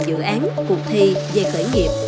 dự án cuộc thi về khởi nghiệp